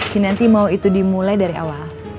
kinanti mau itu dimulai dari awal